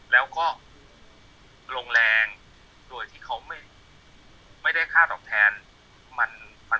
แล้วก็ลงแรงโดยที่เขามาตั้งบ้าน